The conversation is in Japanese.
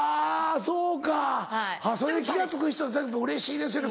そうかそれで気が付く人はでもうれしいですよね